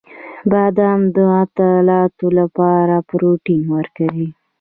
• بادام د عضلاتو لپاره پروټین ورکوي.